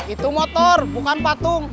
itu motor bukan patung